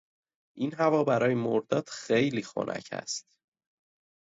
این هوا برای مرداد خیلی خنک است.